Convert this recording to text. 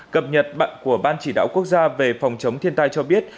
cập nhật bận của ban chỉ đảo quốc gia về phòng chống thiên tai cho biết